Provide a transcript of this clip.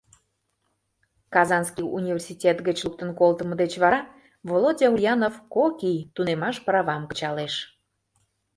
Казанский университет гыч луктын колтымо деч вара Володя Ульянов кок ий тунемаш правам кычалеш.